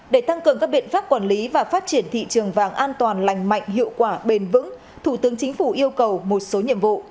để tăng cường các biện pháp quản lý và phát triển thị trường vàng an toàn lành mạnh hiệu quả bền vững thủ tướng chính phủ yêu cầu một số nhiệm vụ